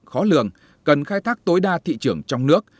khó lường cần khai thác tối đa thị trường trong nước